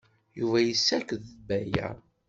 Yuba yessaked-d Baya.